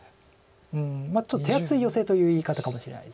まあちょっと手厚いヨセという言い方かもしれないです。